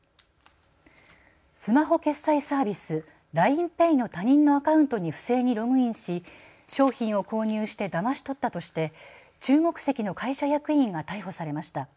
スマホ決済サービス、ＬＩＮＥＰａｙの他人のアカウントに不正にログインし商品を購入してだまし取ったとして中国籍の会社役員が逮捕されました。